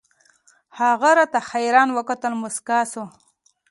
هغه راته حيران وكتل موسكى سو.